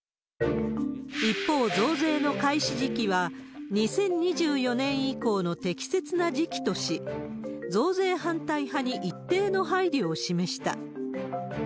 一方、増税の開始時期は、２０２４年以降の適切な時期とし、増税反対派に一定の配慮を示した。